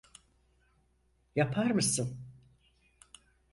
Yapar mısın?